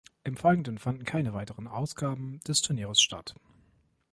Im Folgenden fanden keine weiteren Ausgaben des Turnieres statt.